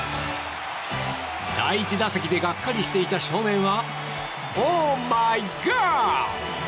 第１打席でがっかりしていた少年はオーマイガー！